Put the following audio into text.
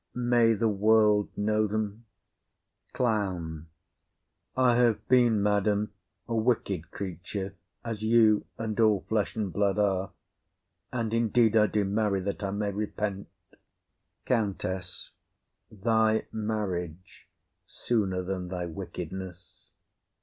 May the world know them? CLOWN. I have been, madam, a wicked creature, as you and all flesh and blood are; and indeed I do marry that I may repent. COUNTESS. Thy marriage, sooner than thy wickedness.